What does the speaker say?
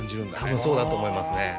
多分そうだと思いますね。